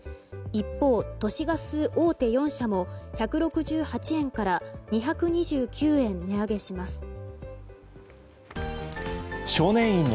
一方、都市ガス大手４社も１６８円から２２９円値上げします。